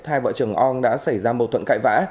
hai vợ chồng ong đã xảy ra mâu thuẫn cãi vã